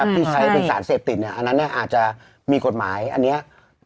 ที่ใช้เป็นสารเสพติดอันนั้นอาจจะมีกฎหมายอันนี้